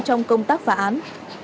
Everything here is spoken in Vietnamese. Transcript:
trong công tác phá án